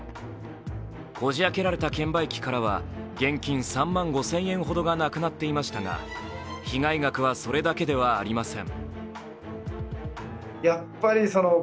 こじ開けられた券売機からは現金３万５０００円ほどがなくなっていましたが、被害額はそれだけではありません。